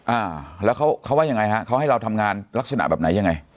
อ่าแล้วเขาเขาว่ายังไงฮะเขาให้เราทำงานลักษณะแบบไหนยังไง